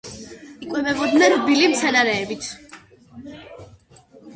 იკვებებოდნენ რბილი მცენარეებით.